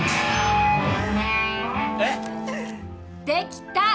できた！